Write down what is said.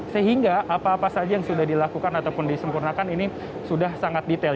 sehingga apa apa saja yang sudah dilakukan ataupun disempurnakan ini sudah sangat detail